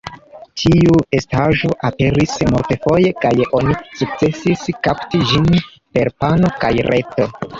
Tiu estaĵo aperis multfoje kaj oni sukcesis kapti ĝin per pano kaj reto.